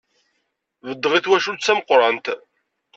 Beddeɣ i twacult d tameqrant.